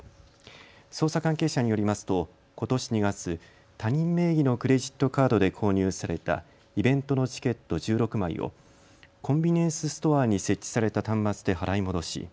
捜査関係者によりますとことし２月、他人名義のクレジットカードで購入されたイベントのチケット１６枚をコンビニエンスストアに設置された端末で払い戻し